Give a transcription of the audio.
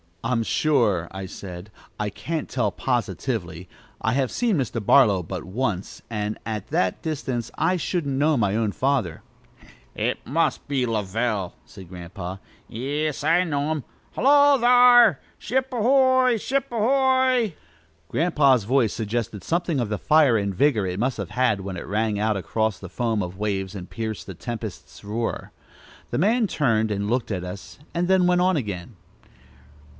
"I'm sure," I said, "I can't tell, positively. I have seen Mr. Barlow but once, and at that distance I shouldn't know my own father." "Must be Lovell," said Grandpa. "Yis, I know him! Hullo, thar'! Ship ahoy! ship ahoy!" Grandpa's voice suggested something of the fire and vigor it must have had when it rang out across the foam of waves and pierced the tempest's roar. The man turned and looked at us, and then went on again.